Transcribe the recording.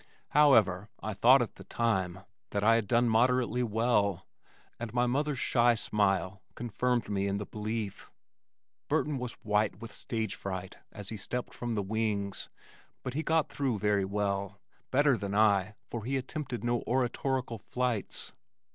However, I thought at the time that I had done moderately well, and my mother's shy smile confirmed me in the belief. Burton was white with stage fright as he stepped from the wings but he got through very well, better than I, for he attempted no oratorical flights.